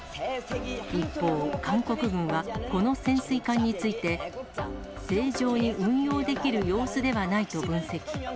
一方、韓国軍はこの潜水艦について、正常に運用できる様子ではないと分析。